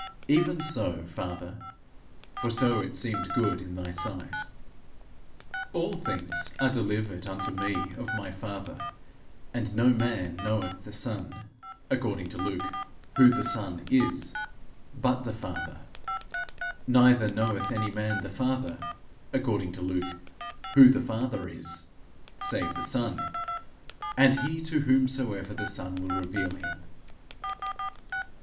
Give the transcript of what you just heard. Even so, Father, for so it seemed good in thy sight. 'All things are delivered unto me of my father; and no man knoweth the son,' according to Luke, 'who the son is,' 'but the father; neither knoweth any man the father,' according to Luke, 'who the father is,' 'save the son, and he to whomsoever the son will reveal him.'